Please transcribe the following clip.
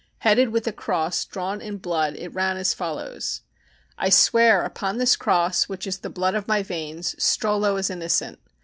Headed with a cross drawn in blood it ran as follows: I swear upon this cross, which is the blood of my veins, Strollo is innocent.